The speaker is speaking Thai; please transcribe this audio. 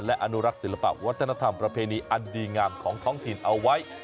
และอนุรักษ์ศิลปะวัฒนธรรมประเพณีอันดีงามของท้องถิ่นเอาไว้